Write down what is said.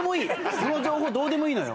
その情報どうでもいいのよ。